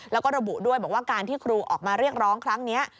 แล้วก็ระบุด้วยบอกว่าการที่ครูออกมาเรียกร้องครั้งนี้